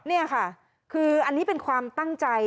นี่ค่ะคืออันนี้เป็นความตั้งใจ